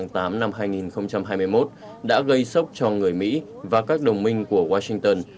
tháng tám năm hai nghìn hai mươi một đã gây sốc cho người mỹ và các đồng minh của washington